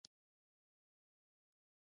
ملاریا څنګه خپریږي؟